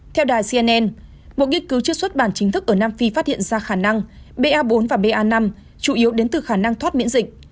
theo đài cnn một nghiên cứu chưa xuất bản chính thức ở nam phi phát hiện ra khả năng ba bốn và ba năm chủ yếu đến từ khả năng thoát miễn dịch